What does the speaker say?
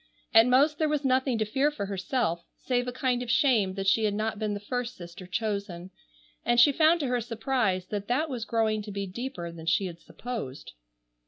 At most there was nothing to fear for herself, save a kind of shame that she had not been the first sister chosen, and she found to her surprise that that was growing to be deeper than she had supposed.